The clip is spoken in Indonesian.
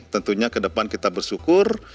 tentunya ke depan kita bersyukur